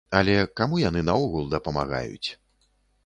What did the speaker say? Але каму яны наогул дапамагаюць.